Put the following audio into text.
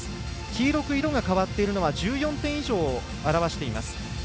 黄色く色が変わっているのは１４点以上をあらわしています。